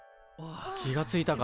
気がついたか。